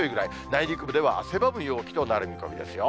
内陸部では汗ばむ陽気となりそうですよ。